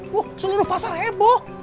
wah seluruh pasar heboh